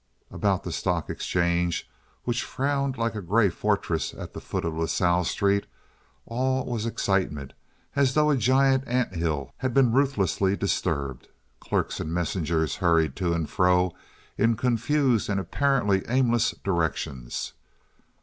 About the stock exchange, which frowned like a gray fortress at the foot of La Salle Street, all was excitement—as though a giant anthill had been ruthlessly disturbed. Clerks and messengers hurried to and fro in confused and apparently aimless directions.